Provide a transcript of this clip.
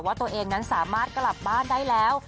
ตัวเองนั้นสามารถกลับบ้านได้แล้ว